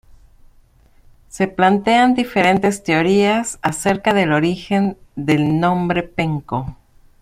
Se plantean diferentes teorías acerca del origen del nombre Penco.